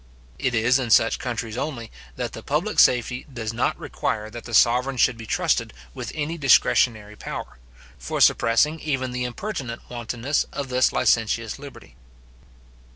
It is in such countries only, that the public safety does not require that the sovereign should be trusted with any discretionary power, for suppressing even the impertinent wantonness of this licentious liberty.